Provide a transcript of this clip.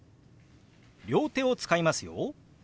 両手を使いますよ。